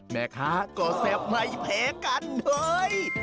แม่ค้าก็แซ่บในแผ่กันเฮ้ย